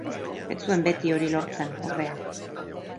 Ez zuen beti hori lortzen ordea.